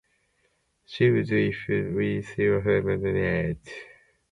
She would, if she were a female newt.